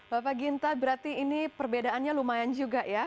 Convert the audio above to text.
bapak ginta berarti ini perbedaannya lumayan juga ya